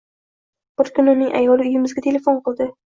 Bir kuni uning ayoli uyimizga telefon qildi.